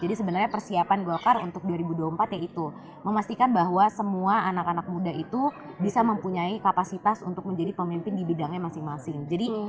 jadi sebenarnya persiapan golkar untuk dua ribu dua puluh empat yaitu memastikan bahwa semua anak anak muda itu bisa mempunyai kapasitas untuk menjadi pemimpin di bidang yang menarik